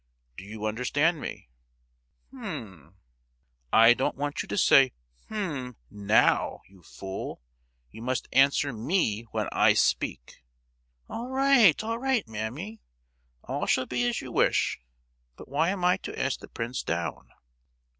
Do you understand me?" "H'm." "I don't want you to say 'H'm' now, you fool! You must answer me when I speak!" "All right—all right, mammy. All shall be as you wish; but why am I to ask the prince down?"